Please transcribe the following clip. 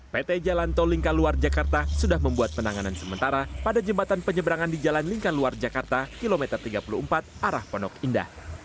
pt jalan tol lingka luar jakarta sudah membuat penanganan sementara pada jembatan penyeberangan di jalan lingkar luar jakarta kilometer tiga puluh empat arah pondok indah